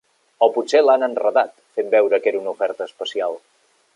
O potser l'han enredat, fent veure que era una oferta especial.